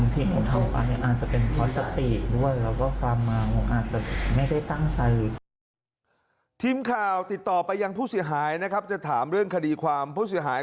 ทีมข่าวติดต่อไปยังผู้เสียหายนะครับจะถามเรื่องคดีความผู้เสียหาย